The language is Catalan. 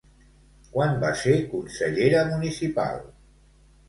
Quan va ser consellera municipal?